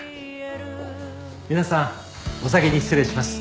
皆さんお先に失礼します。